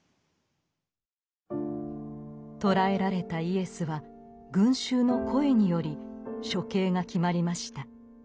捕らえられたイエスは群衆の声により処刑が決まりました。